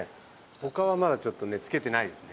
他はまだちょっとね付けてないですね。